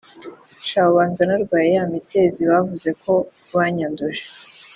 Sha ubanza narwaye ya mitezi bavuze ko banyanduje